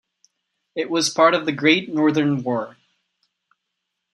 It was part of the Great Northern War.